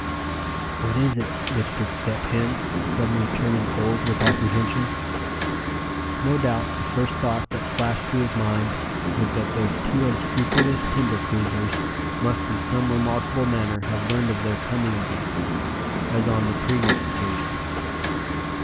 "What is it?" whispered Step Hen, suddenly turning cold with apprehension. No doubt the first thought that flashed through his mind was that those two unscrupulous timber cruisers must in some remarkable manner have learned of their coming again, as on the previous occasion.